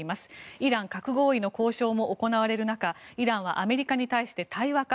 イラン核合意の交渉も行われる中イランはアメリカに対して対話か